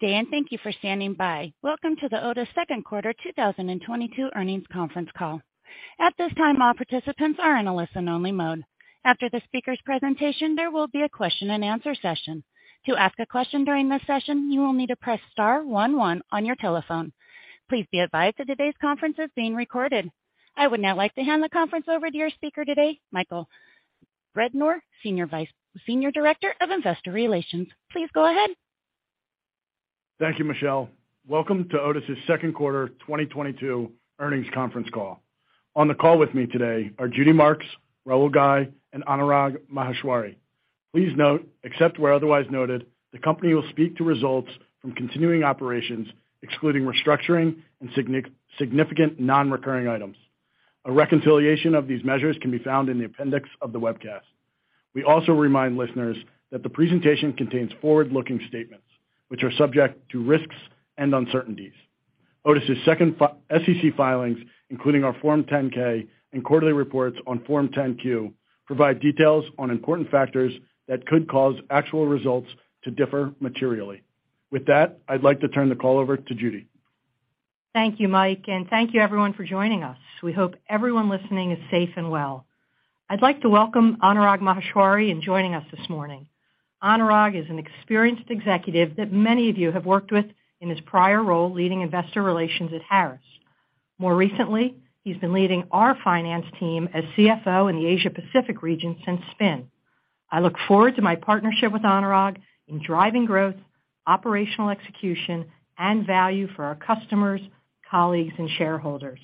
Good day, and thank you for standing by. Welcome to the Otis Second Quarter 2022 Earnings Conference Call. At this time, all participants are in a listen-only mode. After the speaker's presentation, there will be a question and answer session. To ask a question during this session, you will need to press star one one on your telephone. Please be advised that today's conference is being recorded. I would now like to hand the conference over to your speaker today, Michael Rednor, Senior Director of Investor Relations. Please go ahead. Thank you, Michelle. Welcome to Otis' second quarter 2022 earnings conference call. On the call with me today are Judy Marks, Rahul Ghai, and Anurag Maheshwari. Please note, except where otherwise noted, the company will speak to results from continuing operations, excluding restructuring and significant non-recurring items. A reconciliation of these measures can be found in the appendix of the webcast. We also remind listeners that the presentation contains forward-looking statements, which are subject to risks and uncertainties. Otis's SEC filings, including our Form 10-K and quarterly reports on Form 10-Q, provide details on important factors that could cause actual results to differ materially. With that, I'd like to turn the call over to Judy. Thank you, Mike, and thank you everyone for joining us. We hope everyone listening is safe and well. I'd like to welcome Anurag Maheshwari in joining us this morning. Anurag is an experienced executive that many of you have worked with in his prior role, leading investor relations at Harris. More recently, he's been leading our finance team as CFO in the Asia Pacific region since spin. I look forward to my partnership with Anurag in driving growth, operational execution, and value for our customers, colleagues, and shareholders.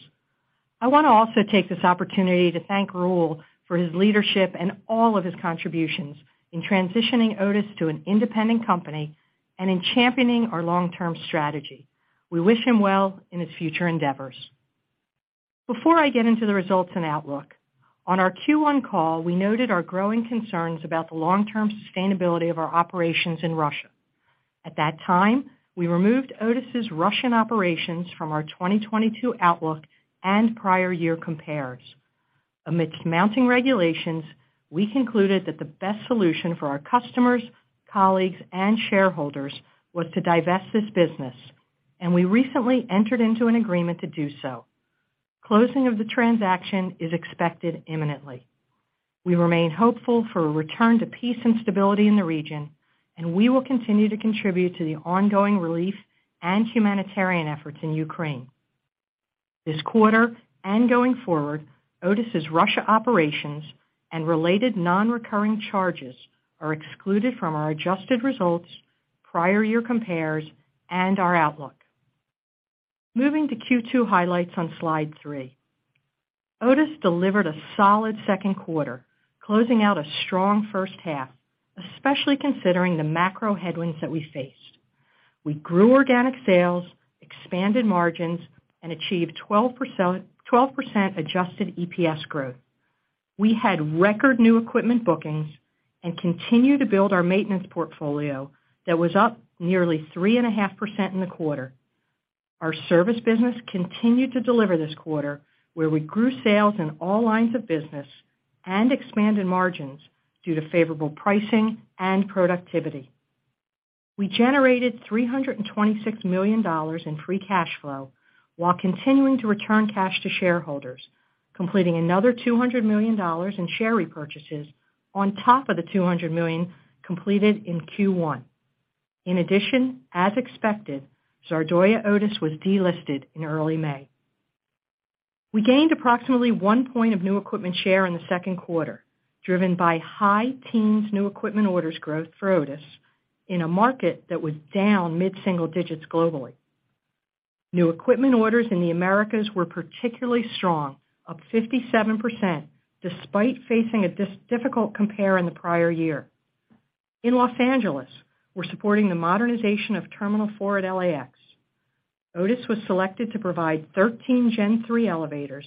I want to also take this opportunity to thank Rahul for his leadership and all of his contributions in transitioning Otis to an independent company and in championing our long-term strategy. We wish him well in his future endeavors. Before I get into the results and outlook, on our Q1 call, we noted our growing concerns about the long-term sustainability of our operations in Russia. At that time, we removed Otis' Russian operations from our 2022 outlook and prior year compares. Amidst mounting regulations, we concluded that the best solution for our customers, colleagues, and shareholders was to divest this business, and we recently entered into an agreement to do so. Closing of the transaction is expected imminently. We remain hopeful for a return to peace and stability in the region, and we will continue to contribute to the ongoing relief and humanitarian efforts in Ukraine. This quarter and going forward, Otis's Russia operations and related non-recurring charges are excluded from our adjusted results, prior year compares, and our outlook. Moving to Q2 highlights on slide three. Otis delivered a solid second quarter, closing out a strong first half, especially considering the macro headwinds that we faced. We grew organic sales, expanded margins, and achieved 12%, 12% adjusted EPS growth. We had record new equipment bookings and continued to build our maintenance portfolio that was up nearly 3.5% in the quarter. Our service business continued to deliver this quarter, where we grew sales in all lines of business and expanded margins due to favorable pricing and productivity. We generated $326 million in free cash flow while continuing to return cash to shareholders, completing another $200 million in share repurchases on top of the $200 million completed in Q1. In addition, as expected, Zardoya Otis was delisted in early May. We gained approximately one point of new equipment share in the second quarter, driven by high teens new equipment orders growth for Otis in a market that was down mid-single digits globally. New equipment orders in the Americas were particularly strong, up 57% despite facing a difficult compare in the prior year. In Los Angeles, we're supporting the modernization of Terminal 4 at LAX. Otis was selected to provide 13 Gen3 elevators,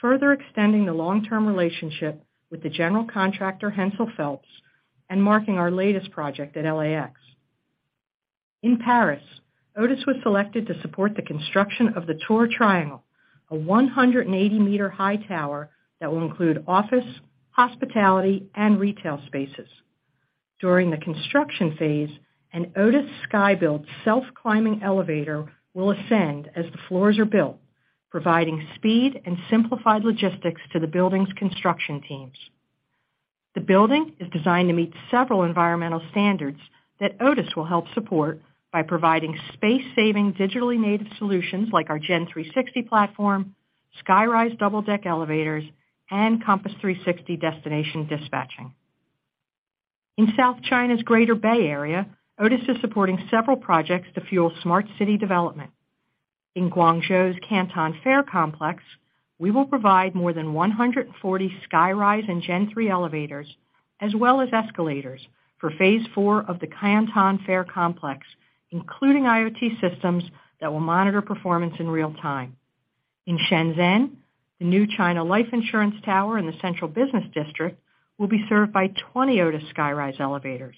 further extending the long-term relationship with the general contractor, Hensel Phelps, and marking our latest project at LAX. In Paris, Otis was selected to support the construction of the Tour Triangle, a 180 m-high tower that will include office, hospitality, and retail spaces. During the construction phase, an Otis SkyBuild self-climbing elevator will ascend as the floors are built, providing speed and simplified logistics to the building's construction teams. The building is designed to meet several environmental standards that Otis will help support by providing space-saving, digitally native solutions like our Gen360 platform, SkyRise double-deck elevators, and Compass 360 destination dispatching. In South China's Greater Bay Area, Otis is supporting several projects to fuel smart city development. In Guangzhou's Canton Fair Complex, we will provide more than 140 SkyRise and Gen3 elevators as well as escalators for phase IV of the Canton Fair Complex, including IoT systems that will monitor performance in real time. In Shenzhen, the new China Life Insurance Tower in the central business district will be served by 20 Otis SkyRise elevators.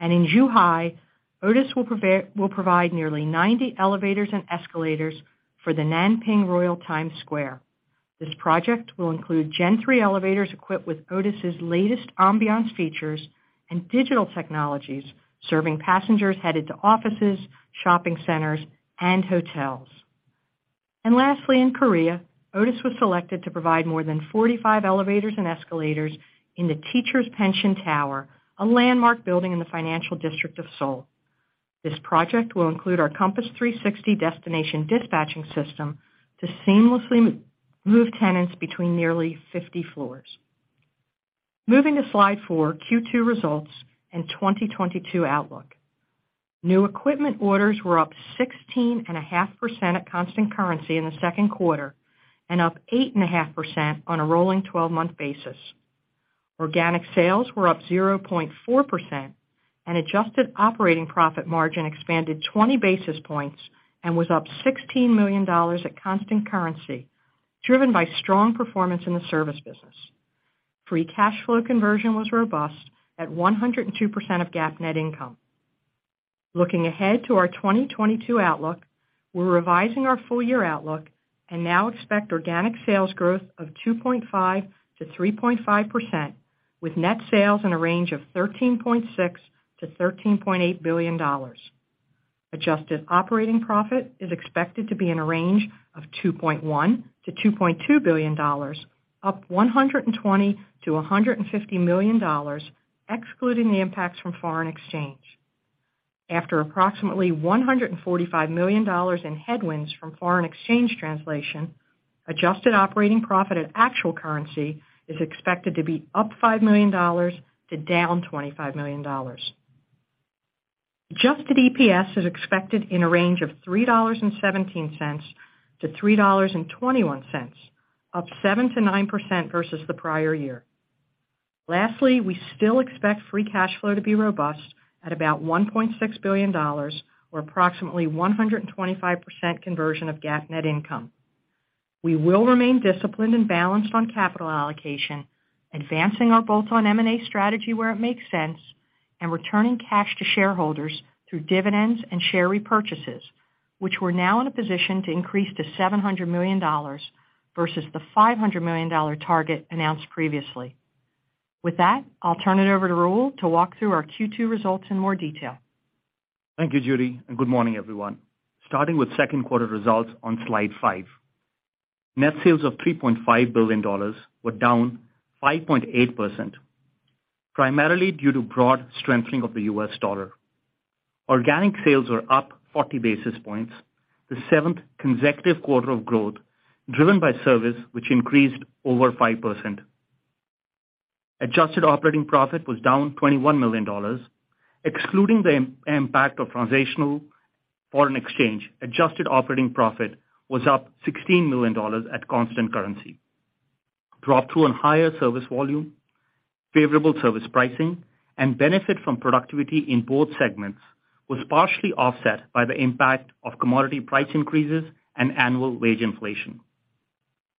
In Zhuhai, Otis will provide nearly 90 elevators and escalators for the Nanping Royal Times Square. This project will include Gen3 elevators equipped with Otis's latest ambiance features and digital technologies serving passengers headed to offices, shopping centers, and hotels. Lastly, in Korea, Otis was selected to provide more than 45 elevators and escalators in the Teachers' Pension Tower, a landmark building in the financial district of Seoul. This project will include our Compass 360 destination dispatching system to seamlessly move tenants between nearly 50 floors. Moving to slide four, Q2 results and 2022 outlook. New equipment orders were up 16.5% at constant currency in the second quarter and up 8.5% on a rolling 12-month basis. Organic sales were up 0.4% and adjusted operating profit margin expanded 20 basis points and was up $16 million at constant currency, driven by strong performance in the service business. Free cash flow conversion was robust at 102% of GAAP net income. Looking ahead to our 2022 outlook, we're revising our full year outlook and now expect organic sales growth of 2.5%-3.5% with net sales in a range of $13.6 billion-$13.8 billion. Adjusted operating profit is expected to be in a range of $2.1 billion-$2.2 billion, up $120 million-$150 million, excluding the impacts from foreign exchange. After approximately $145 million in headwinds from foreign exchange translation, adjusted operating profit at actual currency is expected to be up $5 million to down $25 million. Adjusted EPS is expected in a range of $3.17 to $3.21, up 7%-9% versus the prior year. Lastly, we still expect free cash flow to be robust at about $1.6 billion or approximately 125% conversion of GAAP net income. We will remain disciplined and balanced on capital allocation, advancing our bolt-on M&A strategy where it makes sense, and returning cash to shareholders through dividends and share repurchases, which we're now in a position to increase to $700 million versus the $500 million target announced previously. With that, I'll turn it over to Rahul to walk through our Q2 results in more detail. Thank you, Judy, and good morning, everyone. Starting with second quarter results on slide five. Net sales of $3.5 billion were down 5.8%, primarily due to broad strengthening of the U.S. dollar. Organic sales were up 40 basis points, the seventh consecutive quarter of growth driven by service, which increased over 5%. Adjusted operating profit was down $21 million. Excluding the impact of transactional foreign exchange, adjusted operating profit was up $16 million at constant currency. Driven by higher service volume, favorable service pricing, and benefit from productivity in both segments was partially offset by the impact of commodity price increases and annual wage inflation.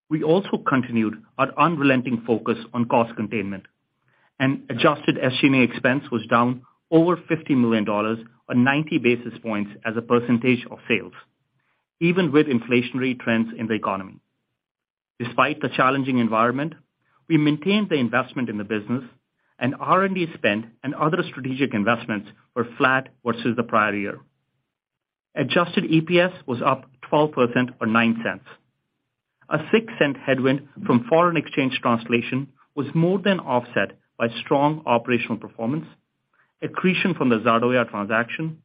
We also continued our unrelenting focus on cost containment, and adjusted SG&A expense was down over $50 million or 90 basis points as a percentage of sales, even with inflationary trends in the economy. Despite the challenging environment, we maintained the investment in the business and R&D spend and other strategic investments were flat versus the prior year. Adjusted EPS was up 12% or $0.09. A $0.06 headwind from foreign exchange translation was more than offset by strong operational performance, accretion from the Zardoya transaction,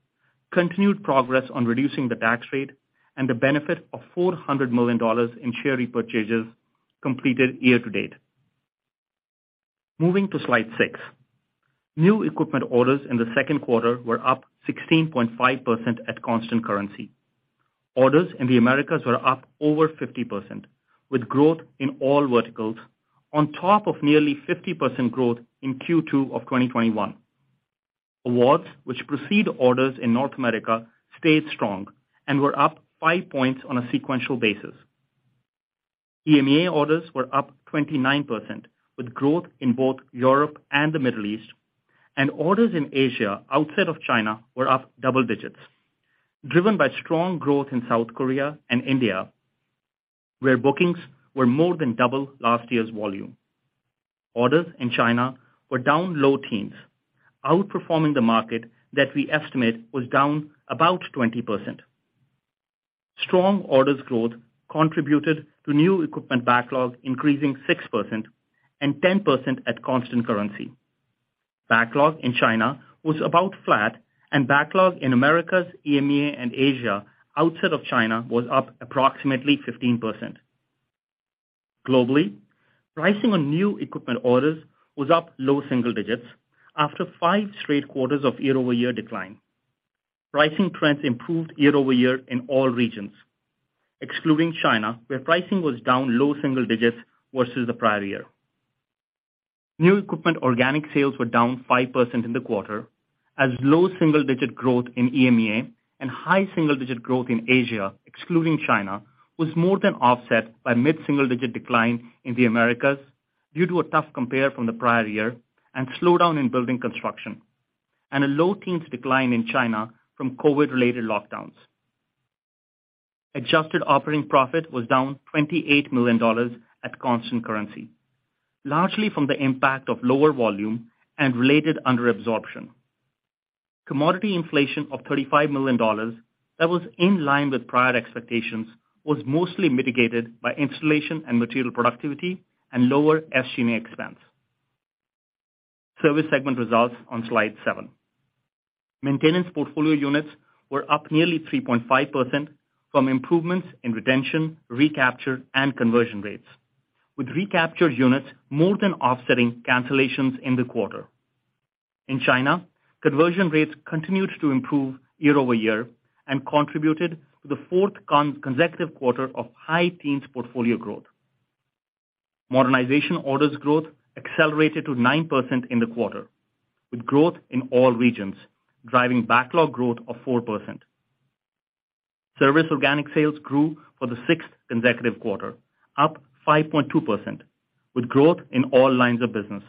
continued progress on reducing the tax rate, and the benefit of $400 million in share repurchases completed year to date. Moving to slide six. New equipment orders in the second quarter were up 16.5% at constant currency. Orders in the Americas were up over 50%, with growth in all verticals on top of nearly 50% growth in Q2 of 2021. Awards which precede orders in North America stayed strong and were up five points on a sequential basis. EMEA orders were up 29%, with growth in both Europe and the Middle East, and orders in Asia outside of China were up double digits, driven by strong growth in South Korea and India, where bookings were more than double last year's volume. Orders in China were down low teens, outperforming the market that we estimate was down about 20%. Strong orders growth contributed to new equipment backlog increasing 6% and 10% at constant currency. Backlog in China was about flat, and backlog in Americas, EMEA, and Asia outside of China was up approximately 15%. Globally, pricing on new equipment orders was up low single digits after five straight quarters of year-over-year decline. Pricing trends improved year-over-year in all regions, excluding China, where pricing was down low single digits versus the prior year. New equipment organic sales were down 5% in the quarter as low single-digit growth in EMEA and high single-digit growth in Asia, excluding China, was more than offset by mid-single-digit decline in the Americas due to a tough compare from the prior year and slowdown in building construction. A low teens decline in China from COVID-related lockdowns. Adjusted operating profit was down $28 million at constant currency, largely from the impact of lower volume and related under absorption. Commodity inflation of $35 million that was in line with prior expectations was mostly mitigated by installation and material productivity and lower SG&A expense. Service segment results on slide seven. Maintenance portfolio units were up nearly 3.5% from improvements in retention, recapture, and conversion rates, with recapture units more than offsetting cancellations in the quarter. In China, conversion rates continued to improve year-over-year and contributed to the fourth consecutive quarter of high teens portfolio growth. Modernization orders growth accelerated to 9% in the quarter, with growth in all regions, driving backlog growth of 4%. Service organic sales grew for the sixth consecutive quarter, up 5.2%, with growth in all lines of business.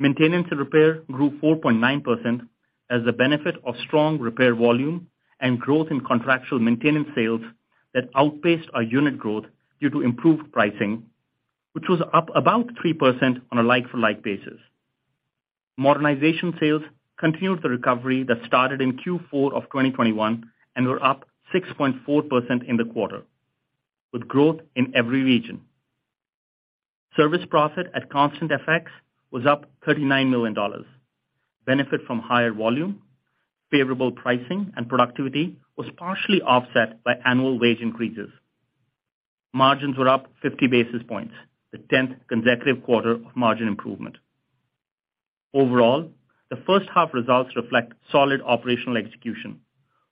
Maintenance and repair grew 4.9% as the benefit of strong repair volume and growth in contractual maintenance sales that outpaced our unit growth due to improved pricing, which was up about 3% on a like-for-like basis. Modernization sales continued the recovery that started in Q4 of 2021 and were up 6.4% in the quarter, with growth in every region. Service profit at constant FX was up $39 million. Benefits from higher volume, favorable pricing, and productivity were partially offset by annual wage increases. Margins were up 50 basis points, the 10th consecutive quarter of margin improvement. Overall, the first half results reflect solid operational execution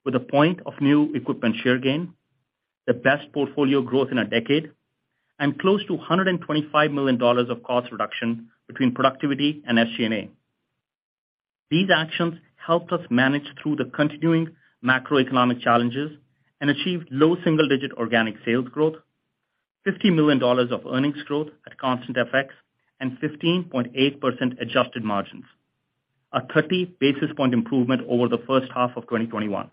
with a point of new equipment share gain, the best portfolio growth in a decade, and close to $125 million of cost reduction between productivity and SG&A. These actions helped us manage through the continuing macroeconomic challenges and achieved low single-digit organic sales growth, $50 million of earnings growth at constant FX, and 15.8% adjusted margins, a 30 basis point improvement over the first half of 2021.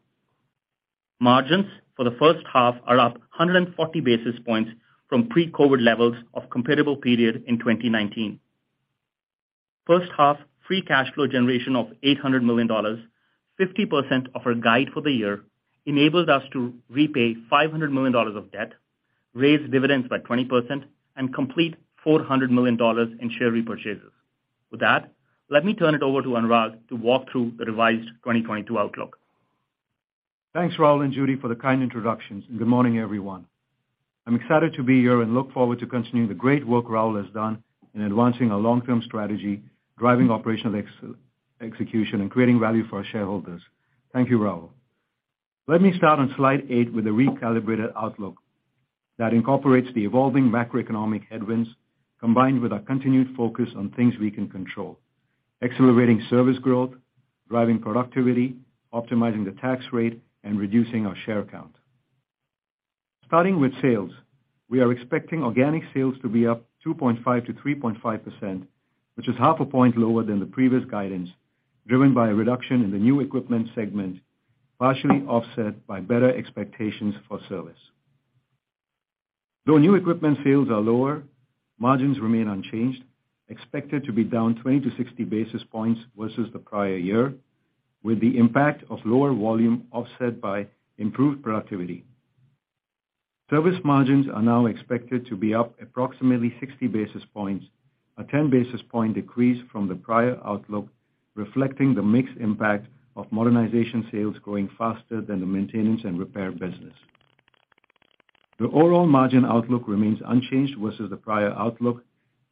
Margins for the first half are up 140 basis points from pre-COVID levels of comparable period in 2019. First half free cash flow generation of $800 million, 50% of our guide for the year, enabled us to repay $500 million of debt, raise dividends by 20%, and complete $400 million in share repurchases. With that, let me turn it over to Anurag to walk through the revised 2022 outlook. Thanks, Rahul and Judy, for the kind introductions, and good morning, everyone. I'm excited to be here and look forward to continuing the great work Rahul has done in advancing our long-term strategy, driving operational execution, and creating value for our shareholders. Thank you, Rahul. Let me start on slide eight with a recalibrated outlook that incorporates the evolving macroeconomic headwinds combined with our continued focus on things we can control, accelerating service growth, driving productivity, optimizing the tax rate, and reducing our share count. Starting with sales, we are expecting organic sales to be up 2.5%-3.5%, which is half a point lower than the previous guidance, driven by a reduction in the new equipment segment, partially offset by better expectations for service. Though new equipment sales are lower, margins remain unchanged, expected to be down 20basis points-60 basis points versus the prior year, with the impact of lower volume offset by improved productivity. Service margins are now expected to be up approximately 60 basis points, a 10 basis point decrease from the prior outlook, reflecting the mixed impact of modernization sales growing faster than the maintenance and repair business. The overall margin outlook remains unchanged versus the prior outlook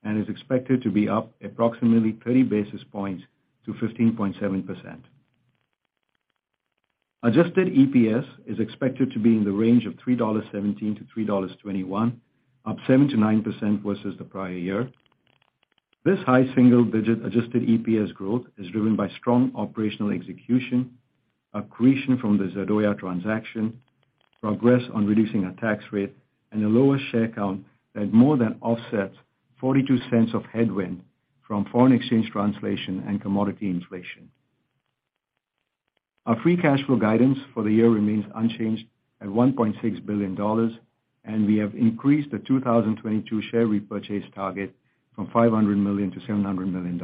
and is expected to be up approximately 30 basis points to 15.7%. Adjusted EPS is expected to be in the range of $3.17-$3.21, up 7%-9% versus the prior year. This high single-digit adjusted EPS growth is driven by strong operational execution, accretion from the Zardoya transaction, progress on reducing our tax rate, and a lower share count that more than offsets $0.42 of headwind from foreign exchange translation and commodity inflation. Our free cash flow guidance for the year remains unchanged at $1.6 billion, and we have increased the 2022 share repurchase target from $500 million to $700 million.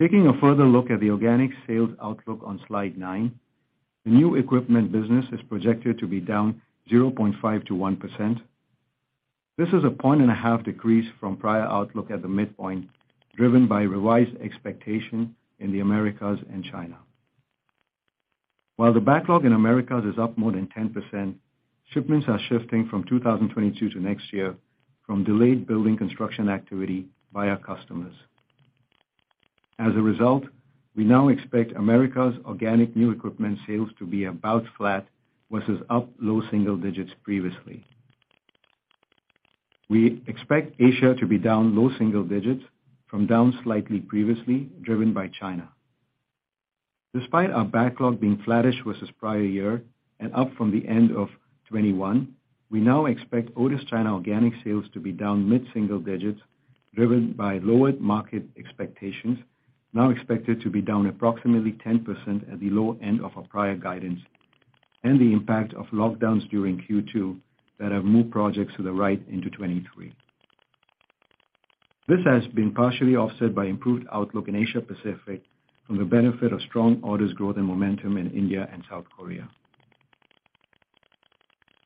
Taking a further look at the organic sales outlook on slide nine, the new equipment business is projected to be down 0.5%-1%. This is a 1.5 decrease from prior outlook at the midpoint, driven by revised expectation in the Americas and China. While the backlog in Americas is up more than 10%, shipments are shifting from 2022 to next year from delayed building construction activity by our customers. As a result, we now expect America's organic new equipment sales to be about flat versus up low single digits previously. We expect Asia to be down low single digits from down slightly previously, driven by China. Despite our backlog being flattish versus prior year and up from the end of 2021, we now expect Otis China organic sales to be down mid-single digits%, driven by lowered market expectations, now expected to be down approximately 10% at the low end of our prior guidance and the impact of lockdowns during Q2 that have moved projects to the right into 2023. This has been partially offset by improved outlook in Asia Pacific from the benefit of strong orders growth and momentum in India and South Korea.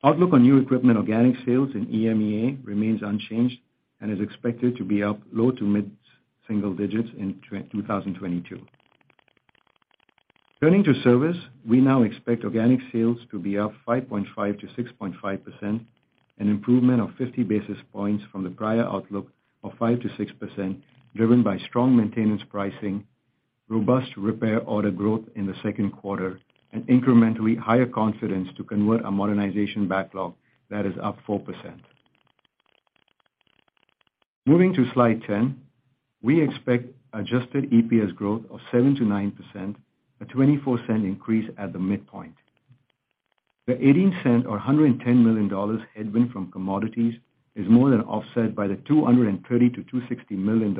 Outlook on new equipment organic sales in EMEA remains unchanged and is expected to be up low- to mid-single digits% in 2022. Turning to service, we now expect organic sales to be up 5.5%-6.5%, an improvement of 50 basis points from the prior outlook of 5%-6%, driven by strong maintenance pricing, robust repair order growth in the second quarter, and incrementally higher confidence to convert a modernization backlog that is up 4%. Moving to slide 10, we expect adjusted EPS growth of 7%-9%, a $0.24 increase at the midpoint. The $0.18 or $150 million headwind from commodities is more than offset by the $230 million-$260 million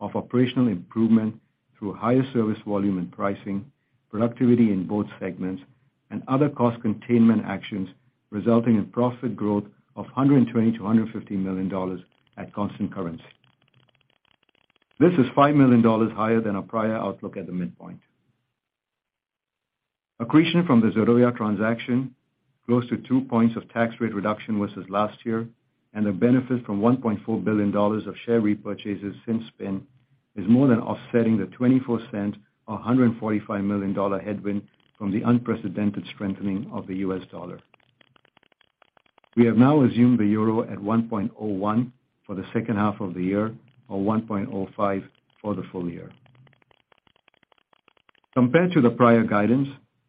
of operational improvement through higher service volume and pricing, productivity in both segments and other cost containment actions, resulting in profit growth of $120 million-$150 million at constant currency. This is $5 million higher than our prior outlook at the midpoint. Accretion from the Zardoya transaction close to two points of tax rate reduction versus last year, and the benefit from $1.4 billion of share repurchases since then is more than offsetting the $0.24 or $145 million headwind from the unprecedented strengthening of the U.S. dollar. We have now assumed the euro at 1.01 for the second half of the year, or 1.05 for the full year. Compared to the prior guidance,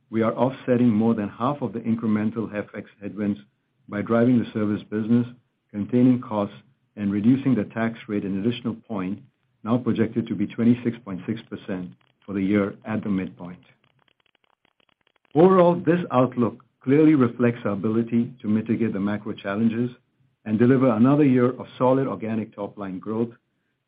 we are offsetting more than half of the incremental FX headwinds by driving the service business, containing costs, and reducing the tax rate an additional point, now projected to be 26.6% for the year at the midpoint. Overall, this outlook clearly reflects our ability to mitigate the macro challenges and deliver another year of solid organic top line growth,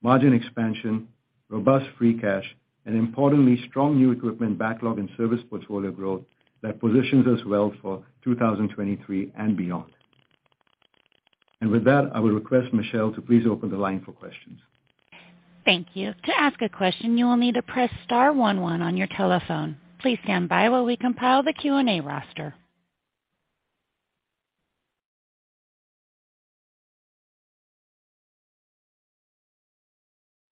margin expansion, robust free cash, and importantly, strong new equipment backlog and service portfolio growth that positions us well for 2023 and beyond. With that, I will request Michelle to please open the line for questions. Thank you. To ask a question, you will need to press star one one on your telephone. Please stand by while we compile the Q and A roster.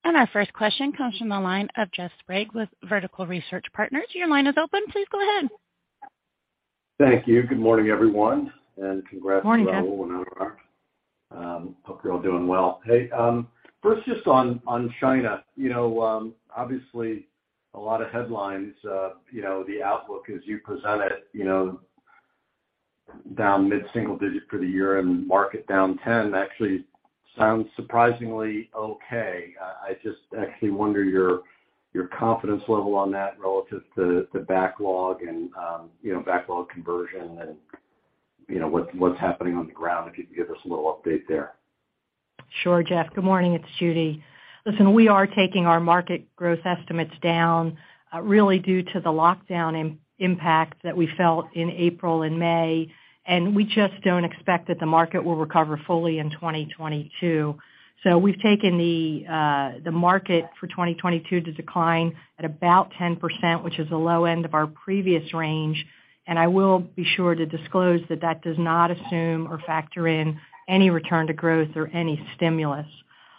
Our first question comes from the line of Jeff Sprague with Vertical Research Partners. Your line is open. Please go ahead. Thank you. Good morning, everyone, and congrats. Morning, Jeff. Hope you're all doing well. Hey, first, just on China, you know, obviously a lot of headlines, you know, the outlook as you present it, you know, down mid-single digits for the year and market down 10% actually sounds surprisingly okay. I just actually wonder your confidence level on that relative to the backlog and, you know, backlog conversion and, you know, what's happening on the ground, if you could give us a little update there. Sure, Jeff. Good morning. It's Judy. Listen, we are taking our market growth estimates down, really due to the lockdown impact that we felt in April and May. We just don't expect that the market will recover fully in 2022. We've taken the market for 2022 to decline at about 10%, which is the low end of our previous range. I will be sure to disclose that that does not assume or factor in any return to growth or any stimulus.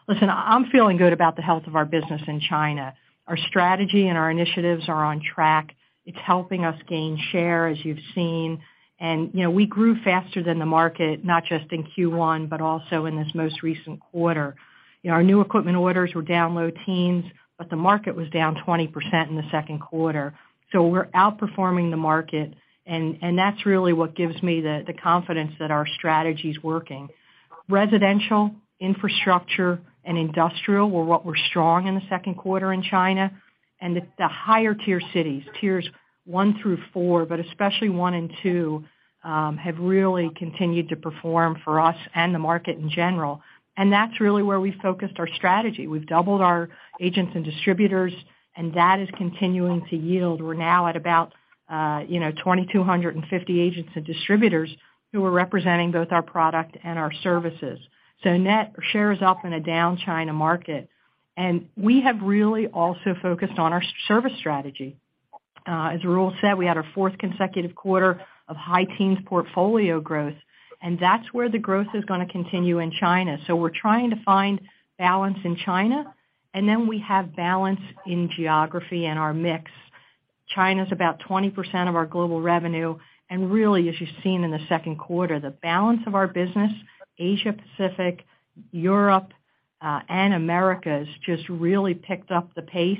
Listen, I'm feeling good about the health of our business in China. Our strategy and our initiatives are on track. It's helping us gain share, as you've seen. You know, we grew faster than the market, not just in Q1, but also in this most recent quarter. You know, our new equipment orders were down low teens%, but the market was down 20% in the second quarter. We're outperforming the market, and that's really what gives me the confidence that our strategy is working. Residential, infrastructure, and industrial were what were strong in the second quarter in China. The higher tier cities, tiers one through four, but especially one and two, have really continued to perform for us and the market in general, and that's really where we've focused our strategy. We've doubled our agents and distributors, and that is continuing to yield. We're now at about, you know, 2,250 agents and distributors who are representing both our product and our services. Net shares up in a down China market. We have really also focused on our service strategy. As Rahul said, we had our fourth consecutive quarter of high teens portfolio growth, and that's where the growth is gonna continue in China. We're trying to find balance in China, and then we have balance in geography and our mix. China's about 20% of our global revenue. Really, as you've seen in the second quarter, the balance of our business, Asia Pacific, Europe, and Americas just really picked up the pace.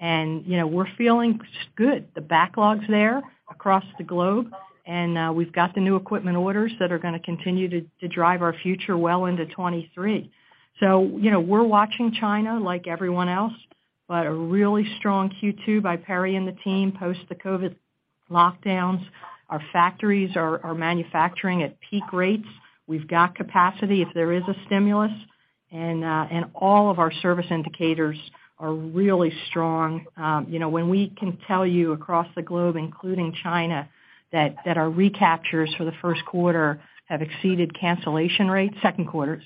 You know, we're feeling good. The backlog's there across the globe, and we've got the new equipment orders that are gonna continue to drive our future well into 2023. You know, we're watching China like everyone else, but a really strong Q2 by Peiming and the team post the COVID. Lockdowns. Our factories are manufacturing at peak rates. We've got capacity if there is a stimulus, and all of our service indicators are really strong. You know, when we can tell you across the globe, including China, that our recaptures for the first quarter have exceeded cancellation rates. Second quarters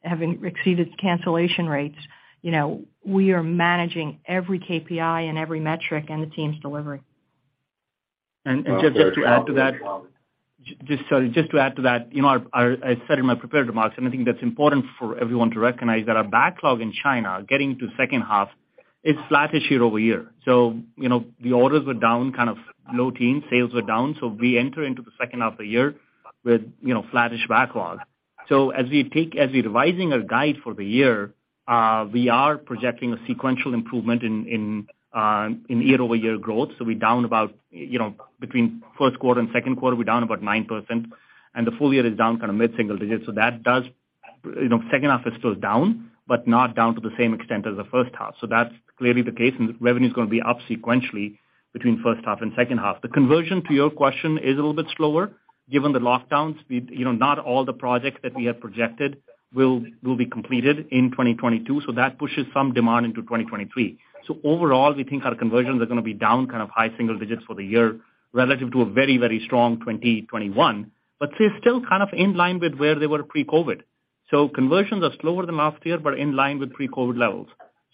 have exceeded cancellation rates, you know, we are managing every KPI and every metric, and the team's delivering. Just to add to that, sorry, you know, I said in my prepared remarks, and I think that's important for everyone to recognize that our backlog in China getting to second half is flattish year-over-year. You know, the orders were down kind of low teens, sales were down. We enter into the second half of the year with, you know, flattish backlog. As we're revising our guide for the year, we are projecting a sequential improvement in year-over-year growth. We're down about, you know, between first quarter and second quarter, we're down about 9%, and the full year is down kind of mid-single digits%. That does, you know, second half is still down, but not down to the same extent as the first half. That's clearly the case, and revenue is gonna be up sequentially between first half and second half. The conversion, to your question, is a little bit slower given the lockdowns. We, you know, not all the projects that we have projected will be completed in 2022, so that pushes some demand into 2023. Overall, we think our conversions are gonna be down kind of high single digits for the year relative to a very, very strong 2021, but they're still kind of in line with where they were pre-COVID. Conversions are slower than last year, but in line with pre-COVID levels.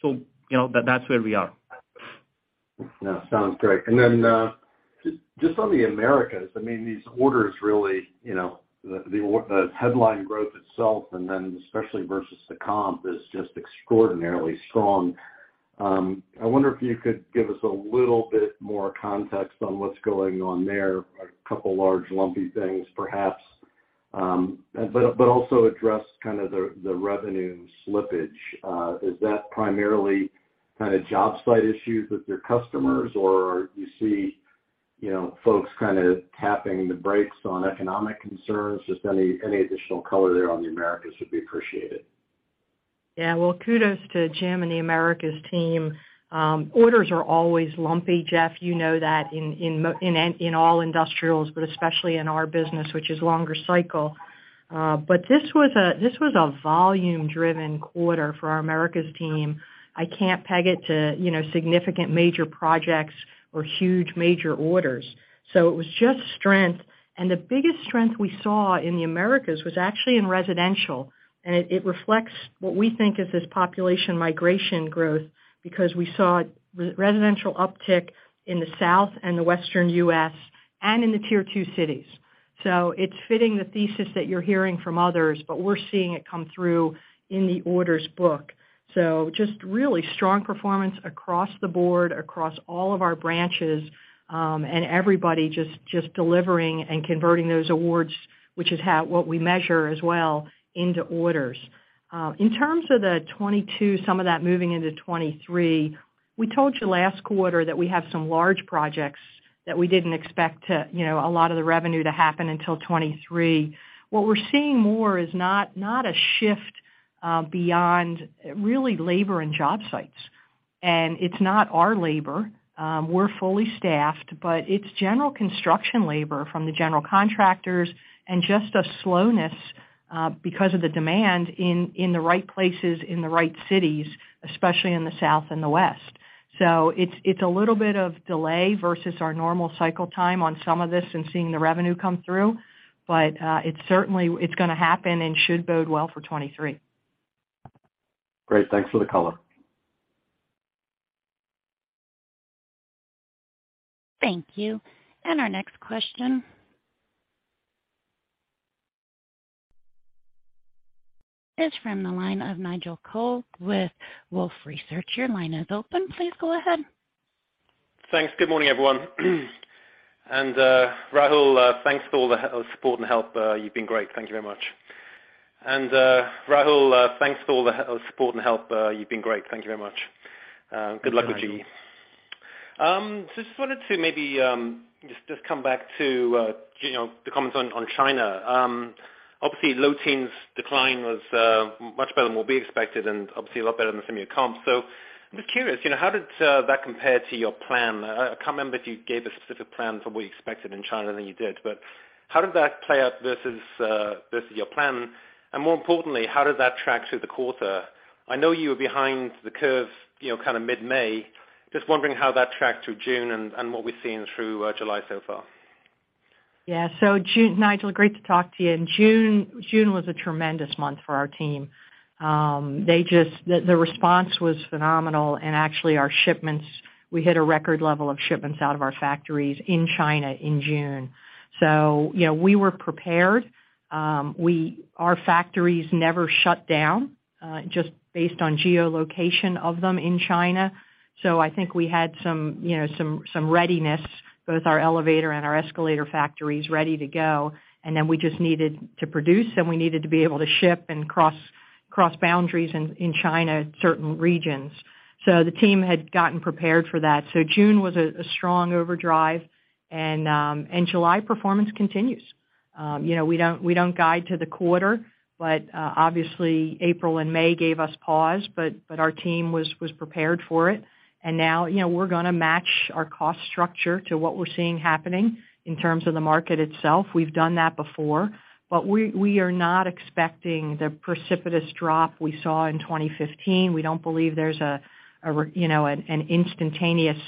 You know, that's where we are. Yeah. Sounds great. Just on the Americas, I mean, these orders really, you know, the headline growth itself, and then especially versus the comp, is just extraordinarily strong. I wonder if you could give us a little bit more context on what's going on there, a couple large lumpy things perhaps, but also address kind of the revenue slippage. Is that primarily kind of job site issues with your customers, or you see, you know, folks kind of tapping the brakes on economic concerns? Just any additional color there on the Americas would be appreciated. Yeah. Well, kudos to Jim and the Americas team. Orders are always lumpy, Jeff, you know that, in all industrials, but especially in our business, which is longer cycle. This was a volume-driven quarter for our Americas team. I can't peg it to, you know, significant major projects or huge major orders. It was just strength. The biggest strength we saw in the Americas was actually in residential, and it reflects what we think is this population migration growth because we saw residential uptick in the South and the Western U.S. and in the tier two cities. It's fitting the thesis that you're hearing from others, but we're seeing it come through in the order book. Just really strong performance across the board, across all of our branches, and everybody just delivering and converting those awards, which is what we measure as well into orders. In terms of 2022, some of that moving into 2023, we told you last quarter that we have some large projects that we didn't expect to, you know, a lot of the revenue to happen until 2023. What we're seeing more is not a shift beyond really labor and job sites. It's not our labor, we're fully staffed, but it's general construction labor from the general contractors and just a slowness because of the demand in the right places, in the right cities, especially in the South and the West. It's a little bit of delay versus our normal cycle time on some of this and seeing the revenue come through. It's certainly gonna happen and should bode well for 2023. Great. Thanks for the color. Thank you. Our next question is from the line of Nigel Coe with Wolfe Research. Your line is open. Please go ahead. Thanks. Good morning, everyone. Rahul, thanks for all the support and help. You've been great. Thank you very much. Good luck with GE. Just wanted to maybe just come back to you know the comments on China. Obviously, low teens decline was much better than what we expected and obviously a lot better than some of your comps. I'm just curious, you know, how did that compare to your plan? I can't remember if you gave a specific plan for what you expected in China, I think you did. But how did that play out versus your plan? And more importantly, how did that track through the quarter? I know you were behind the curve, you know, kind of mid-May. Just wondering how that tracked through June and what we've seen through July so far? Yeah. June, Nigel, great to talk to you. June was a tremendous month for our team. The response was phenomenal, and actually our shipments, we hit a record level of shipments out of our factories in China in June. You know, we were prepared. Our factories never shut down, just based on geolocation of them in China. I think we had some readiness, both our elevator and our escalator factories ready to go. Then we just needed to produce, and we needed to be able to ship and cross boundaries in China, certain regions. The team had gotten prepared for that. June was a strong overdrive, and July performance continues. You know, we don't guide to the quarter, but obviously, April and May gave us pause, but our team was prepared for it. Now, you know, we're gonna match our cost structure to what we're seeing happening in terms of the market itself. We've done that before. We are not expecting the precipitous drop we saw in 2015. We don't believe there's a, you know, an instantaneous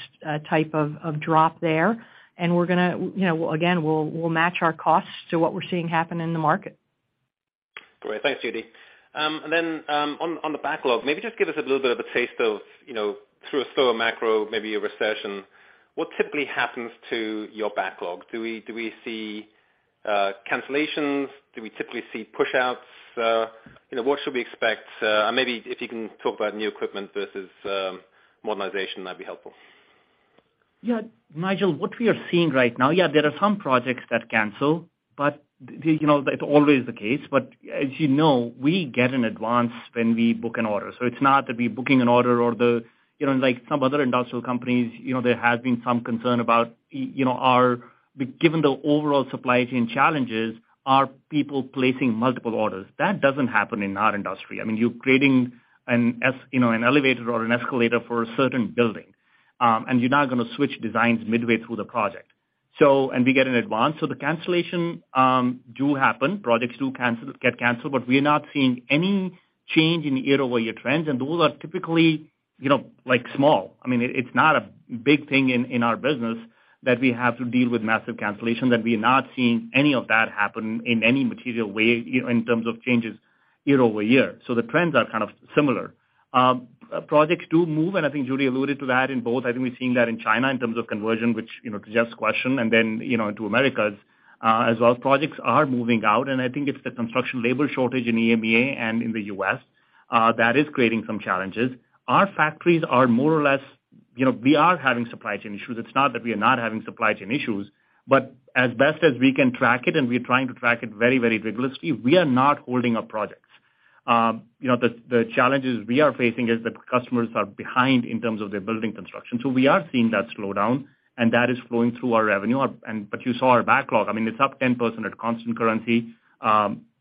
type of drop there. We're gonna, you know, again, we'll match our costs to what we're seeing happen in the market. Great. Thanks, Judy. And then on the backlog, maybe just give us a little bit of a taste of, you know, through a slower macro, maybe a recession, what typically happens to your backlog? Do we see cancellations? Do we typically see pushouts? You know, what should we expect? Maybe if you can talk about new equipment versus modernization, that'd be helpful. Yeah. Nigel, what we are seeing right now, there are some projects that cancel, but you know, that's always the case. As you know, we get an advance when we book an order. It's not that we're booking an order or the, you know, like some other industrial companies, you know, there has been some concern about, you know, are we given the overall supply chain challenges, are people placing multiple orders? That doesn't happen in our industry. I mean, you're creating you know, an elevator or an escalator for a certain building, and you're not gonna switch designs midway through the project. We get an advance. The cancellation do happen. Projects get canceled, but we are not seeing any change in the year-over-year trends, and those are typically, you know, like small. I mean, it's not a big thing in our business that we have to deal with massive cancellation, that we are not seeing any of that happen in any material way, you know, in terms of changes year-over-year. The trends are kind of similar. Projects do move, and I think Judy alluded to that in both. I think we've seen that in China in terms of conversion, which, you know, to Jeff's question, and then, you know, to Americas, as well. Projects are moving out, and I think it's the construction labor shortage in EMEA and in the U.S. that is creating some challenges. Our factories are more or less, you know, we are having supply chain issues. It's not that we are not having supply chain issues, but as best as we can track it, and we're trying to track it very, very rigorously, we are not holding up projects. You know, the challenges we are facing is that customers are behind in terms of their building construction. We are seeing that slow down, and that is flowing through our revenue. You saw our backlog. I mean, it's up 10% at constant currency.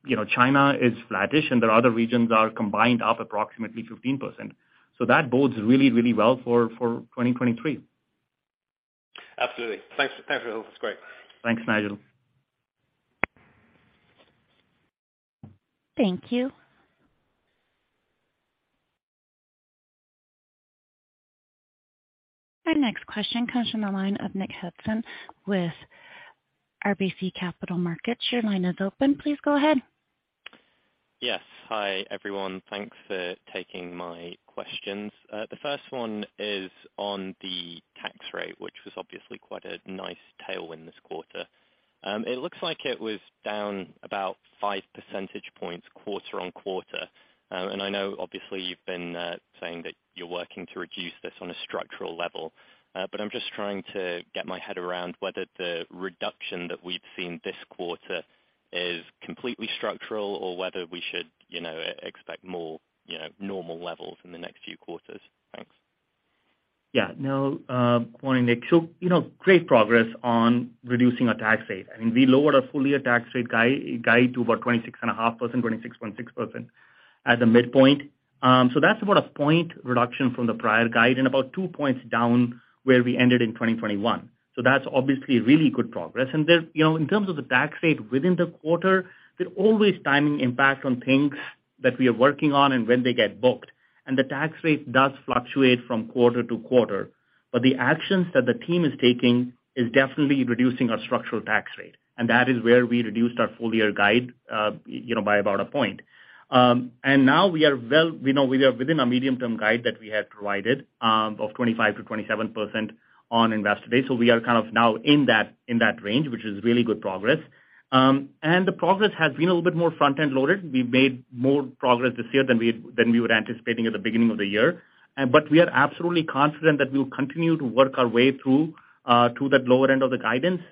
You know, China is flattish, and their other regions are combined up approximately 15%. That bodes really, really well for 2023. Absolutely. Thanks. Thanks, Rahul. It's great. Thanks, Nigel. Thank you. Our next question comes from the line of Nick Housden with RBC Capital Markets. Your line is open. Please go ahead. Yes. Hi, everyone. Thanks for taking my questions. The first one is on the tax rate, which was obviously quite a nice tailwind this quarter. It looks like it was down about 5 percentage points quarter on quarter. I know obviously you've been saying that you're working to reduce this on a structural level. I'm just trying to get my head around whether the reduction that we've seen this quarter is completely structural or whether we should, you know, expect more, you know, normal levels in the next few quarters. Thanks. Yeah. No, wanting to make sure, you know, great progress on reducing our tax rate. I mean, we lowered our full year tax rate guide to about 26.5%, 26.6% as a midpoint. That's about a 1% reduction from the prior guide and about 2% down where we ended in 2021. That's obviously really good progress. You know, in terms of the tax rate within the quarter, there's always timing impact on things that we are working on and when they get booked, and the tax rate does fluctuate from quarter to quarter. The actions that the team is taking is definitely reducing our structural tax rate, and that is where we reduced our full year guide by about a 1%. Now we know we are within our medium-term guide that we have provided of 25%-27% on Investor Day. We are kind of now in that range, which is really good progress. The progress has been a little bit more front-end loaded. We've made more progress this year than we were anticipating at the beginning of the year. But we are absolutely confident that we'll continue to work our way through to that lower end of the guidance.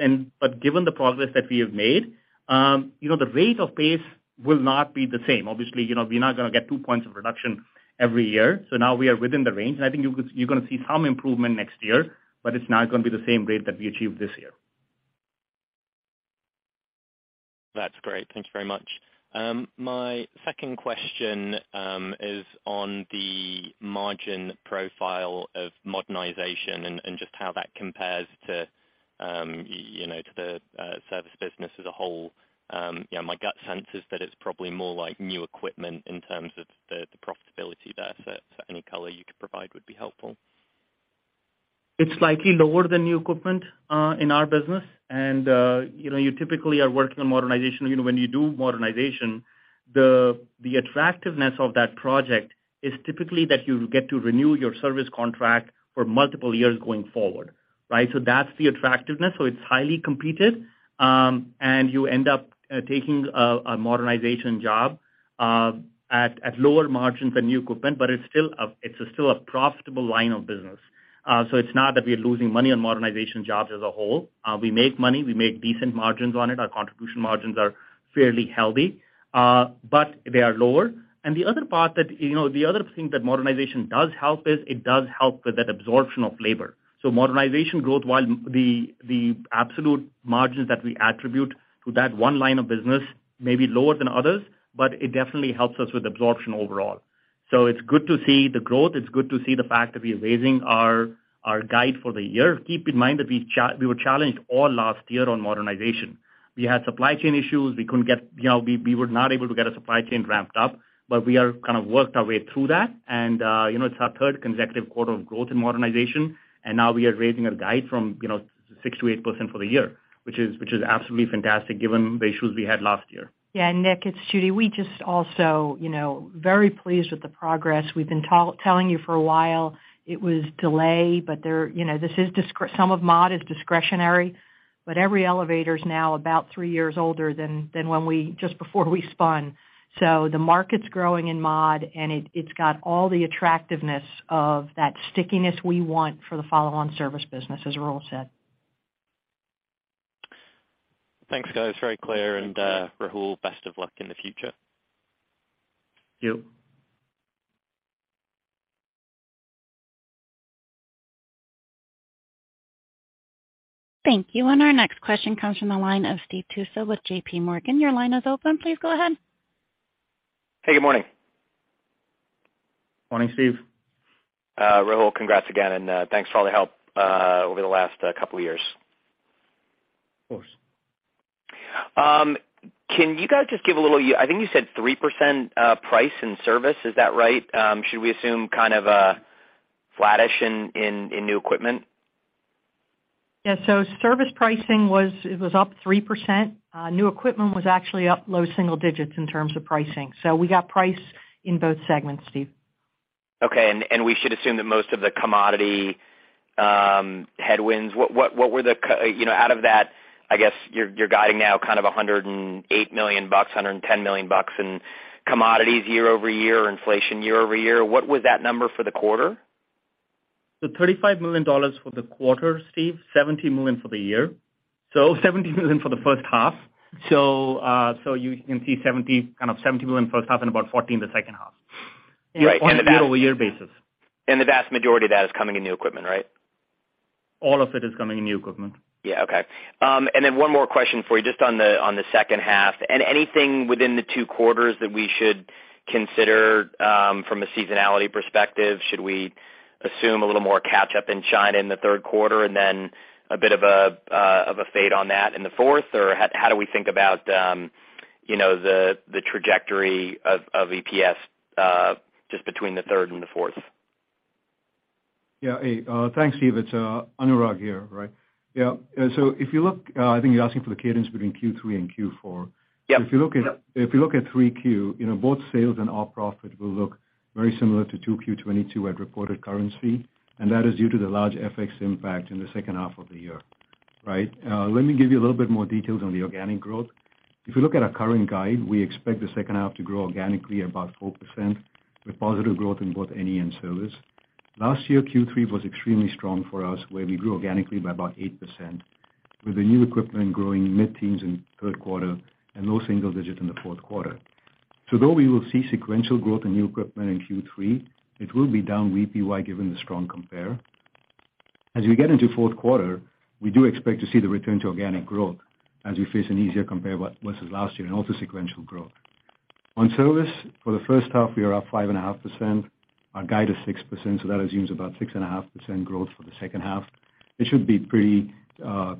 But given the progress that we have made, you know, the rate of pace will not be the same. Obviously, you know, we are not gonna get two points of reduction every year. Now we are within the range, and I think you're gonna see some improvement next year, but it's not gonna be the same rate that we achieved this year. That's great. Thank you very much. My second question is on the margin profile of modernization and just how that compares to, you know, to the service business as a whole. You know, my gut sense is that it's probably more like new equipment in terms of the profitability there. Any color you could provide would be helpful. It's slightly lower than new equipment in our business. You typically are working on modernization. When you do modernization, the attractiveness of that project is typically that you get to renew your service contract for multiple years going forward, right? That's the attractiveness, so it's highly competitive. You end up taking a modernization job at lower margins than new equipment, but it's still a profitable line of business. It's not that we are losing money on modernization jobs as a whole. We make money. We make decent margins on it. Our contribution margins are fairly healthy, but they are lower. The other thing that modernization does help is it does help with that absorption of labor. Modernization growth, while the absolute margins that we attribute to that one line of business may be lower than others, but it definitely helps us with absorption overall. It's good to see the growth. It's good to see the fact that we're raising our guide for the year. Keep in mind that we were challenged all last year on modernization. We had supply chain issues. We couldn't get. You know, we were not able to get our supply chain ramped up, but we are kind of worked our way through that. You know, it's our third consecutive quarter of growth in modernization, and now we are raising our guide from, you know, 6%-8% for the year, which is absolutely fantastic given the issues we had last year. Yeah, Nick, it's Judy. We just also, you know, very pleased with the progress. We've been telling you for a while it was delayed, but there, you know, this is, some of mod, is discretionary, but every elevator is now about three years older than when we just before we spun. The market's growing in mod, and it's got all the attractiveness of that stickiness we want for the follow-on service business, as Rahul said. Thanks, guys. Very clear. Rahul, best of luck in the future. Thank you. Thank you. Our next question comes from the line of Steve Tusa with J.P. Morgan. Your line is open. Please go ahead. Hey, good morning. Morning, Steve. Rahul, congrats again, and thanks for all the help over the last couple of years. Of course. Can you guys just give a little. I think you said 3% price in service. Is that right? Should we assume kind of flattish in new equipment? Service pricing was up 3%. New equipment was actually up low single digits in terms of pricing. We got price in both segments, Steve. Okay. We should assume that most of the commodity headwinds, you know, out of that, I guess, you're guiding now kind of $108 million, $110 million in commodities year-over-year or inflation year-over-year. What was that number for the quarter? $35 million for the quarter, Steve. $70 million for the year. $70 million for the first half. You can see 70, kind of $70 million first half and about $14 million the second half. Right. On a year-over-year basis. The vast majority of that is coming in new equipment, right? All of it is coming in new equipment. Yeah. Okay. One more question for you just on the second half. Anything within the two quarters that we should consider from a seasonality perspective? Should we assume a little more catch up in China in the third quarter and then a bit of a fade on that in the fourth? Or how do we think about you know the trajectory of EPS just between the third and the fourth? Yeah. Hey, thanks, Steve. It's Anurag here, right? Yeah. If you look, I think you're asking for the cadence between Q3 and Q4. Yeah. If you look at Q3, you know, both sales and op profit will look very similar to Q2 2022 at reported currency, and that is due to the large FX impact in the second half of the year, right? Let me give you a little bit more details on the organic growth. If you look at our current guide, we expect the second half to grow organically about 4% with positive growth in both NE and service. Last year, Q3 was extremely strong for us, where we grew organically by about 8%, with the new equipment growing mid-teens in third quarter and low single digits in the fourth quarter. Though we will see sequential growth in new equipment in Q3, it will be down year-on-yeay given the strong comp. As we get into fourth quarter, we do expect to see the return to organic growth as we face an easier compare versus last year and also sequential growth. On service, for the first half, we are up 5.5%. Our guide is 6%, so that assumes about 6.5% growth for the second half. It should be pretty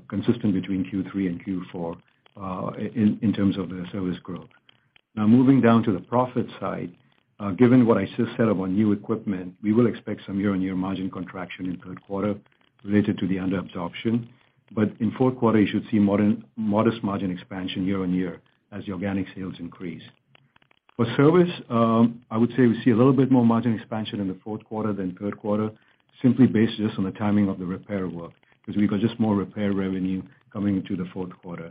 consistent between Q3 and Q4 in terms of the service growth. Now, moving down to the profit side. Given what I just said on new equipment, we will expect some year-on-year margin contraction in third quarter related to the under absorption. In fourth quarter, you should see modest margin expansion year-on-year as the organic sales increase. For service, I would say we see a little bit more margin expansion in the fourth quarter than third quarter simply based just on the timing of the repair work, because we got just more repair revenue coming into the fourth quarter.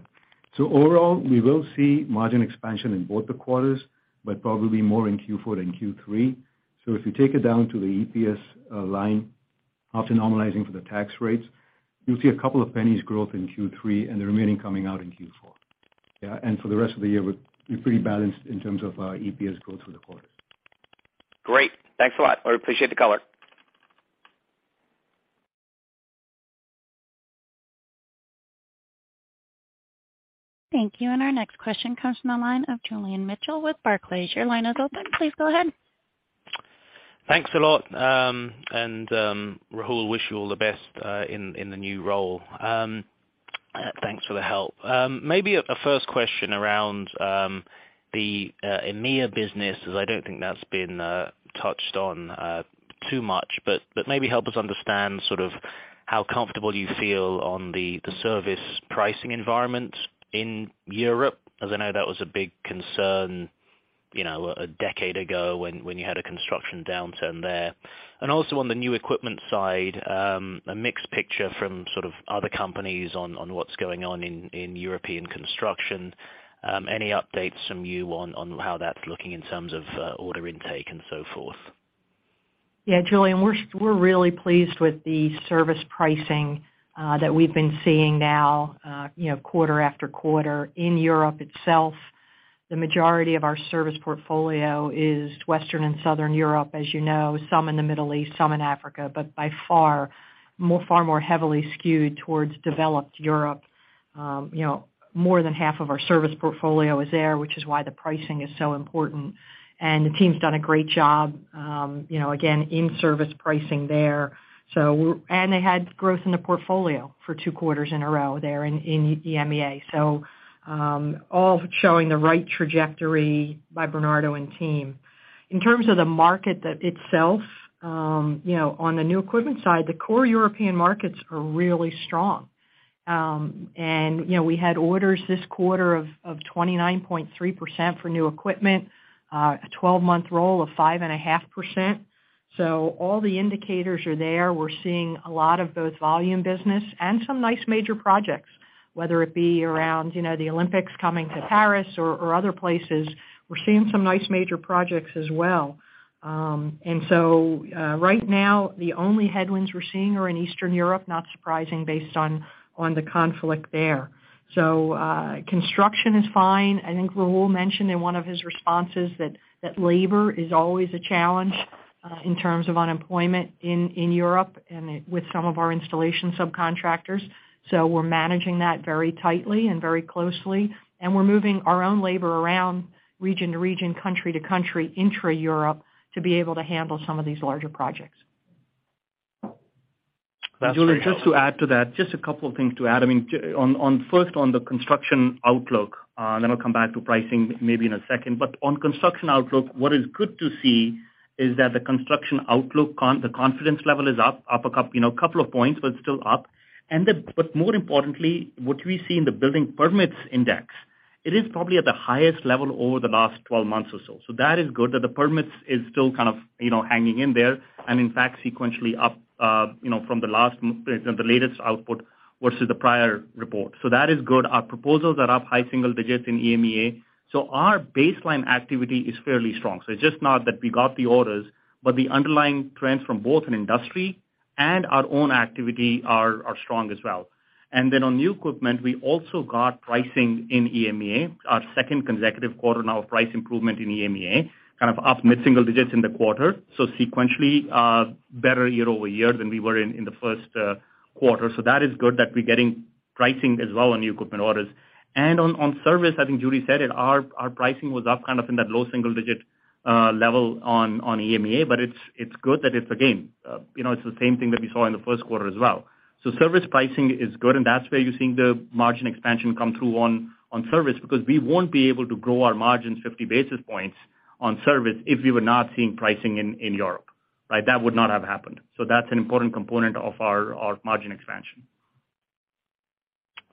Overall, we will see margin expansion in both the quarters, but probably more in Q4 than Q3. If you take it down to the EPS line after normalizing for the tax rates, you'll see a couple of pennies growth in Q3 and the remaining coming out in Q4. Yeah. For the rest of the year, we're pretty balanced in terms of EPS growth through the quarters. Great. Thanks a lot. I appreciate the color. Thank you. Our next question comes from the line of Julian Mitchell with Barclays. Your line is open. Please go ahead. Thanks a lot. Rahul, wish you all the best in the new role. Thanks for the help. Maybe a first question around the EMEA business, as I don't think that's been touched on too much, but maybe help us understand sort of how comfortable you feel on the service pricing environment in Europe, as I know that was a big concern, you know, a decade ago when you had a construction downturn there. Also on the new equipment side, a mixed picture from sort of other companies on what's going on in European construction. Any updates from you on how that's looking in terms of order intake and so forth? Yeah, Julian, we're really pleased with the service pricing that we've been seeing now, you know, quarter after quarter in Europe itself. The majority of our service portfolio is Western and Southern Europe, as you know, some in the Middle East, some in Africa, but by far, far more heavily skewed towards developed Europe. You know, more than half of our service portfolio is there, which is why the pricing is so important. The team's done a great job, you know, again, in service pricing there. They had growth in the portfolio for two quarters in a row there in EMEA. All showing the right trajectory by Bernardo and team. In terms of the market itself, you know, on the new equipment side, the core European markets are really strong. You know, we had orders this quarter of 29.3% for new equipment, a 12-month roll of 5.5%. All the indicators are there. We're seeing a lot of both volume business and some nice major projects, whether it be around the Olympics coming to Paris or other places. We're seeing some nice major projects as well. Right now, the only headwinds we're seeing are in Eastern Europe, not surprising based on the conflict there. Construction is fine. I think Rahul mentioned in one of his responses that labor is always a challenge in terms of unemployment in Europe and with some of our installation subcontractors. We're managing that very tightly and very closely, and we're moving our own labor around region to region, country to country intra-Europe to be able to handle some of these larger projects. Julian, just to add to that, just a couple of things to add. I mean, first on the construction outlook, and then I'll come back to pricing maybe in a second. On construction outlook, what is good to see is that the construction outlook, the confidence level is up a couple of points, but it's still up. More importantly, what we see in the building permits index, it is probably at the highest level over the last 12 months or so. That is good that the permits is still kind of hanging in there and in fact, sequentially up from the latest output versus the prior report. That is good. Our proposals are up high single digits in EMEA. Our baseline activity is fairly strong. It's just not that we got the orders, but the underlying trends from both in industry and our own activity are strong as well. On new equipment, we also got pricing in EMEA, our second consecutive quarter now of price improvement in EMEA, kind of up mid-single digits in the quarter. Sequentially, better year-over-year than we were in the first quarter. That is good that we're getting pricing as well on new equipment orders. On service, I think Judy said it, our pricing was up kind of in that low single digit level on EMEA, but it's good that it's again, you know, it's the same thing that we saw in the first quarter as well. Service pricing is good, and that's where you're seeing the margin expansion come through on service because we won't be able to grow our margins 50 basis points on service if we were not seeing pricing in Europe, right? That would not have happened. That's an important component of our margin expansion.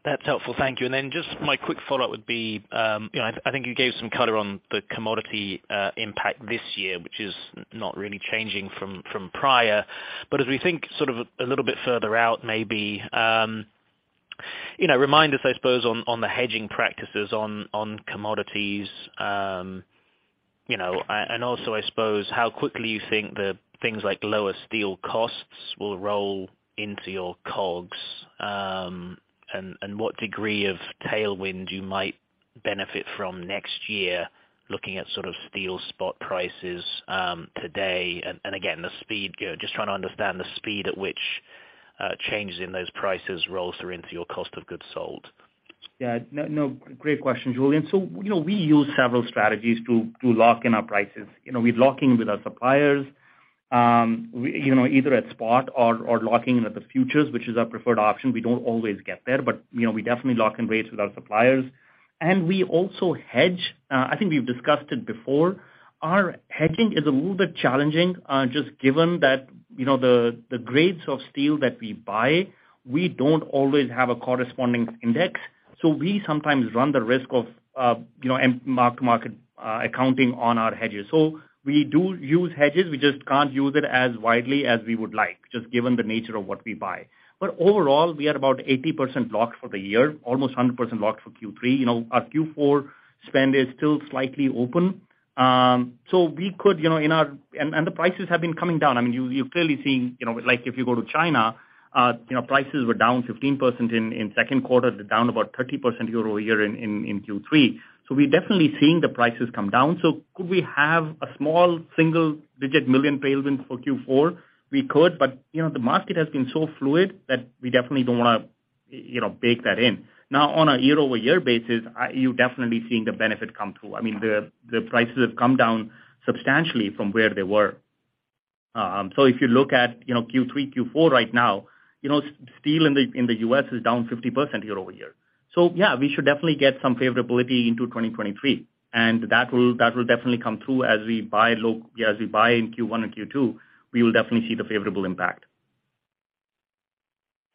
That's helpful. Thank you. Just my quick follow-up would be, you know, I think you gave some color on the commodity impact this year, which is not really changing from prior. As we think sort of a little bit further out, maybe, you know, remind us, I suppose, on the hedging practices on commodities, you know, and also, I suppose, how quickly you think the things like lower steel costs will roll into your COGS, and what degree of tailwind you might benefit from next year looking at sort of steel spot prices today. Again, the speed, just trying to understand the speed at which changes in those prices rolls through into your cost of goods sold. Yeah. No, no, great question, Julian. You know, we use several strategies to lock in our prices. You know, we lock in with our suppliers, you know, either at spot or locking in at the futures, which is our preferred option. We don't always get there, but you know, we definitely lock in rates with our suppliers. We also hedge. I think we've discussed it before. Our hedging is a little bit challenging, just given that, you know, the grades of steel that we buy, we don't always have a corresponding index. We sometimes run the risk of, you know, mark-to-market accounting on our hedges. We do use hedges, we just can't use it as widely as we would like, just given the nature of what we buy. Overall, we are about 80% locked for the year, almost 100% locked for Q3. You know, our Q4 spend is still slightly open. So we could, you know, in our. The prices have been coming down. I mean, you're clearly seeing, you know, like if you go to China, you know, prices were down 15% in second quarter. They're down about 30% year-over-year in Q3. So we're definitely seeing the prices come down. So could we have a small single-digit dollar million tailwind for Q4? We could, but you know, the market has been so fluid that we definitely don't wanna, you know, bake that in. Now, on a year-over-year basis, you're definitely seeing the benefit come through. I mean, the prices have come down substantially from where they were. If you look at, you know, Q3, Q4 right now, you know, steel in the U.S. is down 50% year-over-year. Yeah, we should definitely get some favorability into 2023. That will definitely come through as we buy low. Yeah, as we buy in Q1 and Q2, we will definitely see the favorable impact.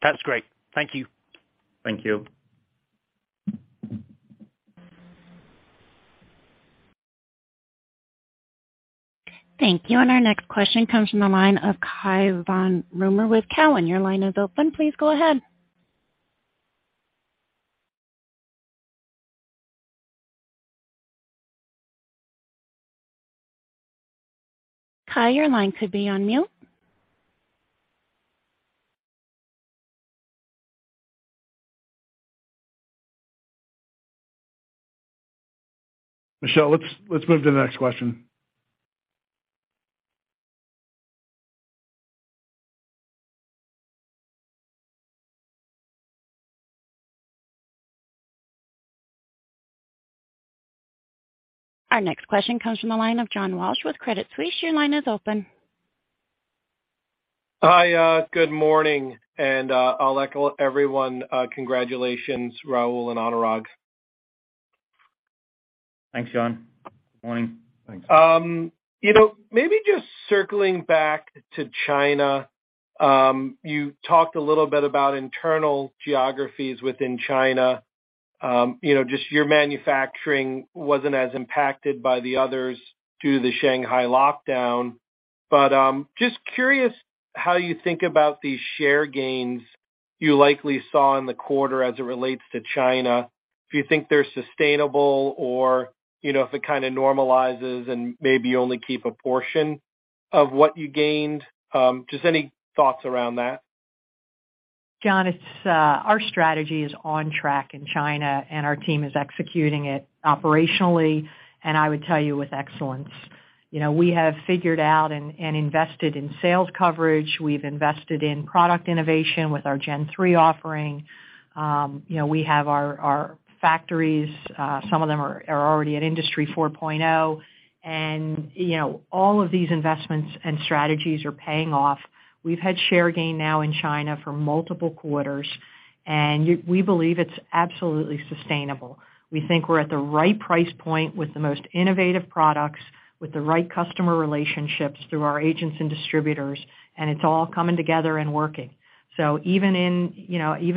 That's great. Thank you. Thank you. Thank you. Our next question comes from the line of Cai von Rumohr with Cowen. Your line is open. Please go ahead. Cai von Rumohr, your line could be on mute. Michelle, let's move to the next question. Our next question comes from the line of John Walsh with Credit Suisse. Your line is open. Hi, good morning, and I'll echo everyone, congratulations, Rahul and Anurag. Thanks, John. Morning. Thanks. You know, maybe just circling back to China, you talked a little bit about internal geographies within China. You know, just your manufacturing wasn't as impacted by the others due to the Shanghai lockdown. Just curious how you think about these share gains you likely saw in the quarter as it relates to China. Do you think they're sustainable or, you know, if it kinda normalizes and maybe you only keep a portion of what you gained? Just any thoughts around that. John, it's our strategy is on track in China, and our team is executing it operationally, and I would tell you with excellence. You know, we have figured out and invested in sales coverage. We've invested in product innovation with our Gen3 offering. You know, we have our factories, some of them are already at Industry 4.0. You know, all of these investments and strategies are paying off. We've had share gain now in China for multiple quarters, and we believe it's absolutely sustainable. We think we're at the right price point with the most innovative products, with the right customer relationships through our agents and distributors, and it's all coming together and working. You know, even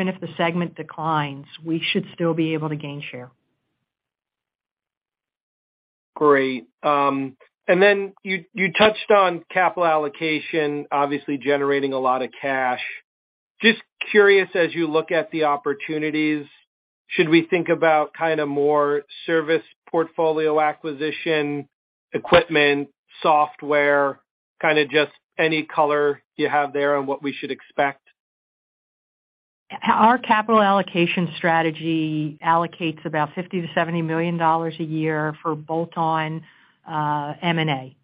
if the segment declines, we should still be able to gain share. Great. Then you touched on capital allocation, obviously generating a lot of cash. Just curious, as you look at the opportunities, should we think about kinda more service portfolio acquisition, equipment, software, kinda just any color you have there on what we should expect? Our capital allocation strategy allocates about $50 million-$70 million a year for bolt-on M&A.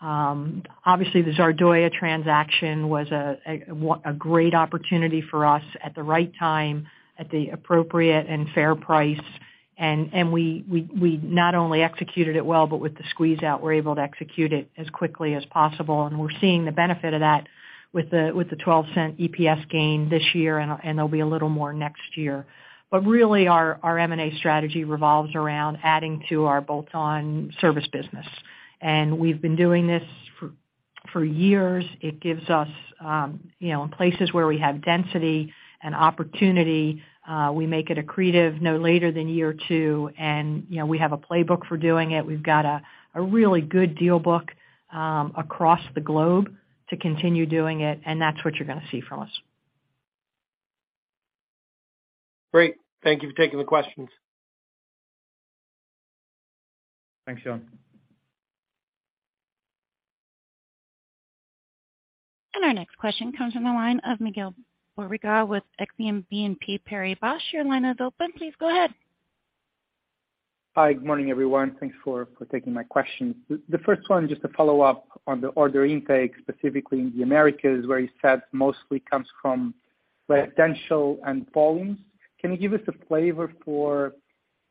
Obviously, the Zardoya transaction was a great opportunity for us at the right time, at the appropriate and fair price. We not only executed it well, but with the squeeze out, we're able to execute it as quickly as possible, and we're seeing the benefit of that with the $0.12 EPS gain this year, and there'll be a little more next year. Really our M&A strategy revolves around adding to our bolt-on service business. We've been doing this for years. It gives us, you know, in places where we have density and opportunity, we make it accretive no later than year two. You know, we have a playbook for doing it. We've got a really good deal book across the globe to continue doing it, and that's what you're gonna see from us. Great. Thank you for taking the questions. Thanks, John. Our next question comes from the line of Miguel Borrega with Exane BNP Paribas. Your line is open. Please go ahead. Hi, good morning, everyone. Thanks for taking my questions. The first one, just to follow up on the order intake, specifically in the Americas, where you said mostly comes from residential and volumes. Can you give us a flavor for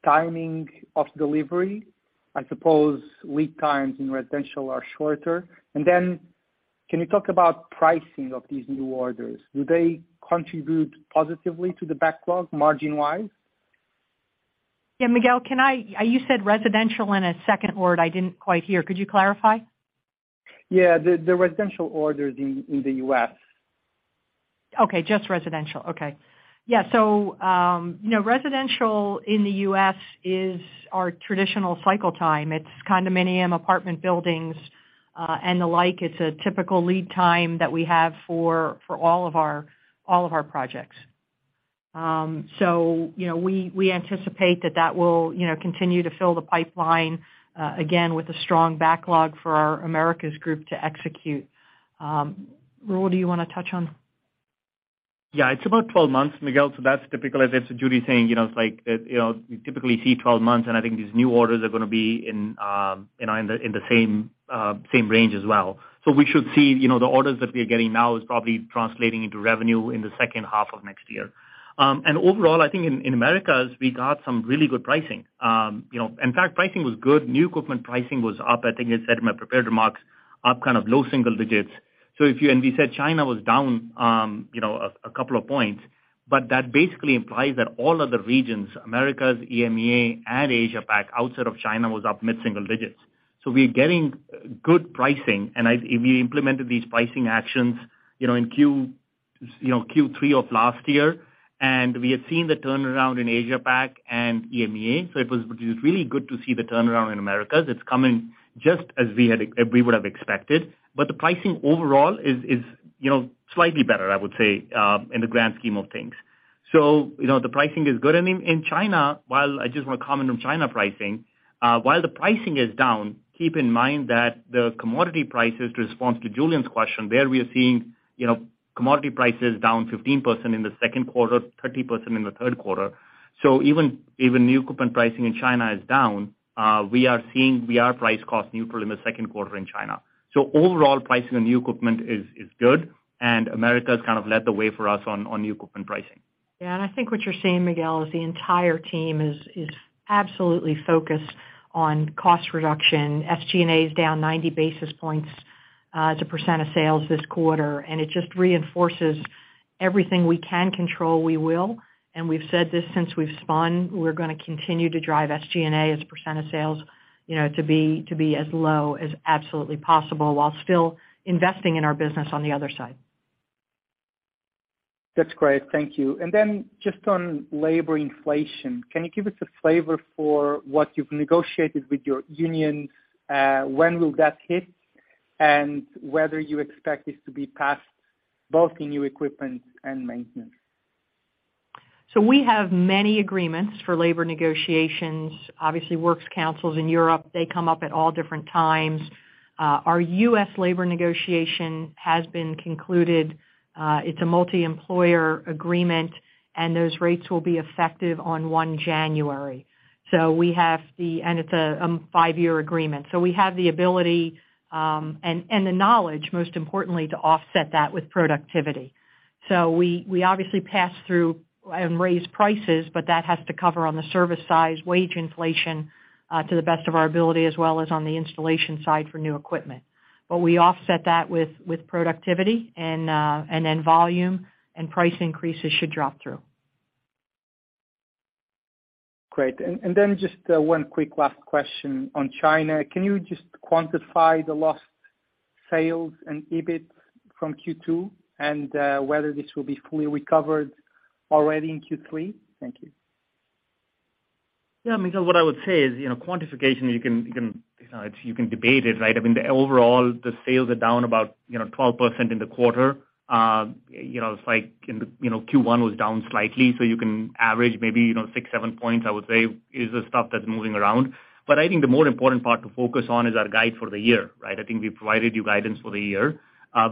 timing of delivery? I suppose lead times in residential are shorter. Then can you talk about pricing of these new orders? Do they contribute positively to the backlog margin-wise? Yeah, Miguel, you said residential and a second word I didn't quite hear. Could you clarify? Yeah. The residential orders in the U.S. Okay, just residential. Okay. Yeah, you know, residential in the U.S. is our traditional cycle time. It's condominium, apartment buildings, and the like. It's a typical lead time that we have for all of our projects. You know, we anticipate that will continue to fill the pipeline, again with a strong backlog for our Americas group to execute. Rahul, do you wanna touch on? Yeah. It's about 12 months, Miguel, so that's typical. As Judy is saying, you know, it's like, you know, we typically see 12 months, and I think these new orders are gonna be in, you know, in the same range as well. We should see, you know, the orders that we are getting now is probably translating into revenue in the second half of next year. Overall, I think in Americas, we got some really good pricing. You know, in fact, pricing was good. New equipment pricing was up. I think I said in my prepared remarks, up kind of low single digits. We said China was down, you know, a couple of points, but that basically implies that all other regions, Americas, EMEA, and Asia PAC, outside of China, was up mid-single digits. We're getting good pricing, and we implemented these pricing actions, you know, in Q3 of last year. We have seen the turnaround in Asia PAC and EMEA, it was really good to see the turnaround in Americas. It's coming just as we would've expected. The pricing overall is, you know, slightly better, I would say, in the grand scheme of things. You know, the pricing is good. In China, while I just want to comment on China pricing, while the pricing is down, keep in mind that the commodity prices. In response to Julian's question, there we are seeing, you know, commodity prices down 15% in the second quarter, 30% in the third quarter. Even new equipment pricing in China is down. We are seeing we are price cost neutral in the second quarter in China. Overall pricing on new equipment is good, and America has kind of led the way for us on new equipment pricing. Yeah. I think what you're seeing, Miguel, is the entire team is absolutely focused on cost reduction. SG&A is down 90 basis points as a percent of sales this quarter, and it just reinforces everything we can control, we will. We've said this since we've spun, we're gonna continue to drive SG&A as a percent of sales, you know, to be as low as absolutely possible while still investing in our business on the other side. That's great. Thank you. Then just on labor inflation, can you give us a flavor for what you've negotiated with your union? When will that hit? Whether you expect this to be passed both in new equipment and maintenance. We have many agreements for labor negotiations, obviously works councils in Europe, they come up at all different times. Our U.S. labor negotiation has been concluded. It's a multi-employer agreement, and those rates will be effective on January 1. It's a five-year agreement. We have the ability and the knowledge, most importantly, to offset that with productivity. We obviously pass through and raise prices, but that has to cover, on the service side, wage inflation to the best of our ability, as well as on the installation side for new equipment. We offset that with productivity, and then volume and price increases should drop through. Great. Just one quick last question on China. Can you just quantify the lost sales and EBIT from Q2 and whether this will be fully recovered already in Q3? Thank you. Yeah, Miguel, what I would say is, you know, quantification, you can debate it, right? I mean, the overall sales are down about, you know, 12% in the quarter. You know, it's like in the Q1 was down slightly, so you can average maybe, you know, six to seven points. I would say is the stuff that's moving around. I think the more important part to focus on is our guidance for the year, right? I think we provided you guidance for the year.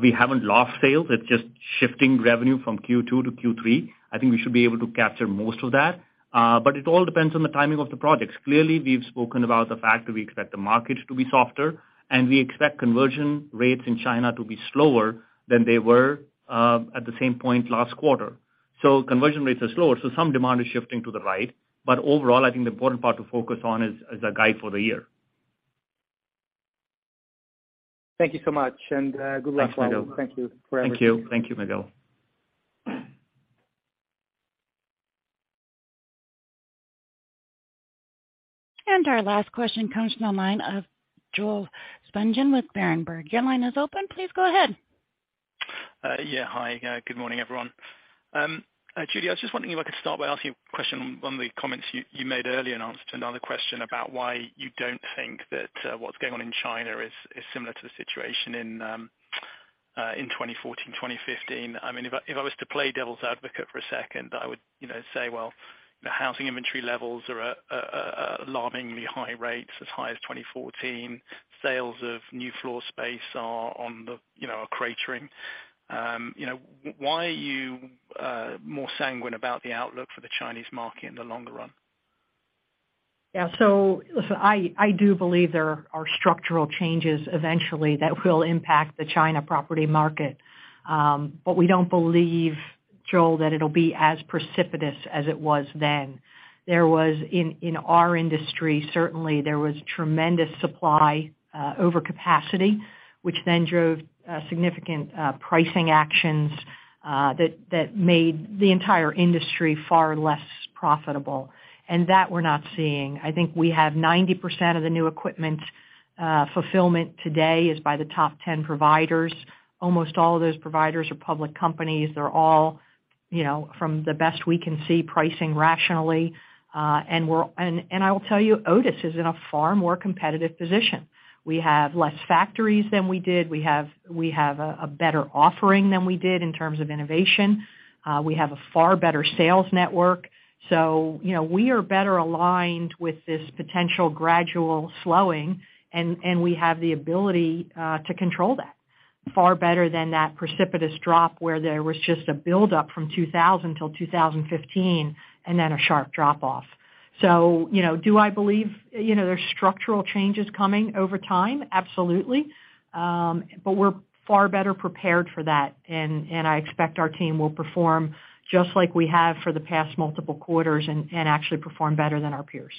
We haven't lost sales. It's just shifting revenue from Q2 to Q3. I think we should be able to capture most of that. But it all depends on the timing of the projects. Clearly, we've spoken about the fact that we expect the market to be softer, and we expect conversion rates in China to be slower than they were at the same point last quarter. So conversion rates are slower, so some demand is shifting to the right. But overall, I think the important part to focus on is the guide for the year. Thank you so much, and good luck. Thanks, Miguel. Thank you for everything. Thank you. Thank you, Miguel. Our last question comes from the line of Joel Spungin with Berenberg. Your line is open. Please go ahead. Yeah. Hi. Good morning, everyone. Judy, I was just wondering if I could start by asking a question on the comments you made earlier in answer to another question about why you don't think that what's going on in China is similar to the situation in 2014, 2015. I mean, if I was to play devil's advocate for a second, I would, you know, say, well, the housing inventory levels are at alarmingly high rates as high as 2014. Sales of new floor space are, you know, cratering. You know, why are you more sanguine about the outlook for the Chinese market in the longer run? Yeah. Listen, I do believe there are structural changes eventually that will impact the China property market. We don't believe, Joel, that it'll be as precipitous as it was then. There was in our industry certainly tremendous supply overcapacity, which then drove significant pricing actions that made the entire industry far less profitable. That we're not seeing. I think we have 90% of the new equipment fulfillment today is by the top 10 providers. Almost all of those providers are public companies. They're all, you know, from the best we can see, pricing rationally. And I will tell you, Otis is in a far more competitive position. We have less factories than we did. We have a better offering than we did in terms of innovation. We have a far better sales network. You know, we are better aligned with this potential gradual slowing, and we have the ability to control that far better than that precipitous drop, where there was just a build up from 2000 till 2015 and then a sharp drop off. You know, do I believe, you know, there's structural changes coming over time? Absolutely. We're far better prepared for that, and I expect our team will perform just like we have for the past multiple quarters and actually perform better than our peers.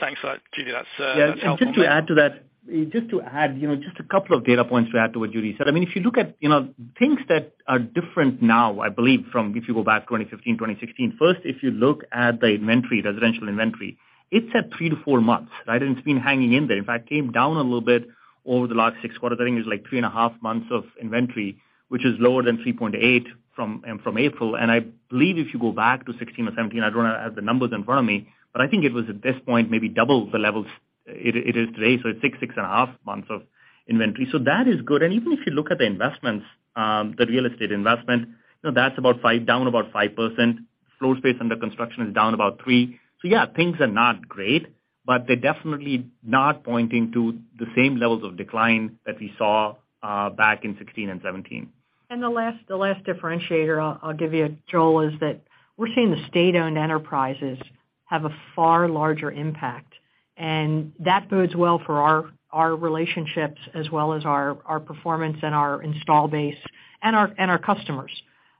Thanks for that, Judy. That's helpful. Yeah. Just to add to that, you know, just a couple of data points to add to what Judy said. I mean, if you look at, you know, things that are different now, I believe, from if you go back 2015, 2016, first, if you look at the inventory, residential inventory, it's at three to four months, right? It's been hanging in there. In fact, came down a little bit over the last six quarters. I think it was like 3.5 months of inventory, which is lower than 3.8 from April. I believe if you go back to 2016 or 2017, I don't have the numbers in front of me, but I think it was at this point, maybe double the levels it is today. It's 6.5 months of inventory. That is good. Even if you look at the investments, the real estate investment, you know, that's down about 5%. Floor space under construction is down about 3%. Yeah, things are not great, but they're definitely not pointing to the same levels of decline that we saw back in 2016 and 2017. The last differentiator I'll give you, Joel, is that we're seeing the state-owned enterprises have a far larger impact, and that bodes well for our relationships as well as our performance and our install base and our customers.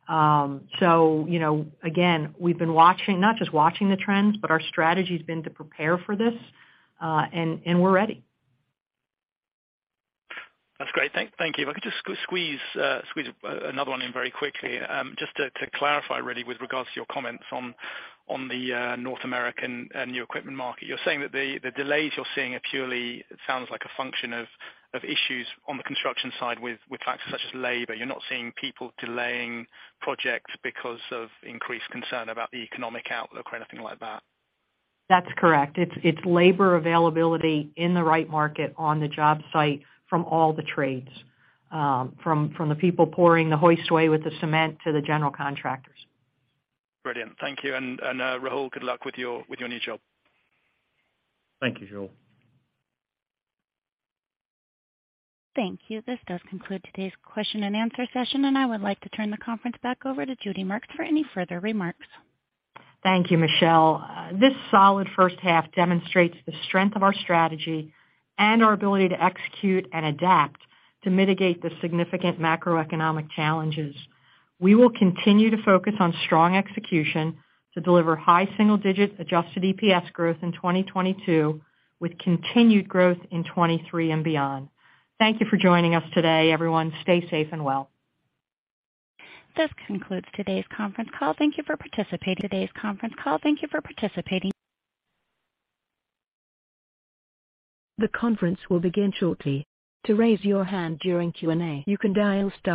You know, again, we've been watching, not just watching the trends, but our strategy's been to prepare for this, and we're ready. That's great. Thank you. If I could just squeeze another one in very quickly, just to clarify, really with regards to your comments on the North American new equipment market. You're saying that the delays you're seeing are purely, it sounds like a function of issues on the construction side with factors such as labor. You're not seeing people delaying projects because of increased concern about the economic outlook or anything like that? That's correct. It's labor availability in the right market on the job site from all the trades, from the people pouring the hoistway with the cement to the general contractors. Brilliant. Thank you. Rahul, good luck with your new job. Thank you, Joel. Thank you. This does conclude today's question and answer session, and I would like to turn the conference back over to Judy Marks for any further remarks. Thank you, Michelle. This solid first half demonstrates the strength of our strategy and our ability to execute and adapt to mitigate the significant macroeconomic challenges. We will continue to focus on strong execution to deliver high single-digit adjusted EPS growth in 2022, with continued growth in 2023 and beyond. Thank you for joining us today, everyone. Stay safe and well. This concludes today's conference call. Thank you for participating. The conference will begin shortly. To raise your hand during Q and A, you can dial star two